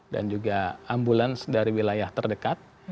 dan juga ambulans dari wilayah terdekat